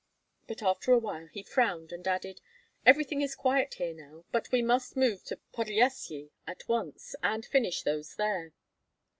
But after a while he frowned, and added, "Everything is quiet here now; but we must move to Podlyasye at once, and finish those there."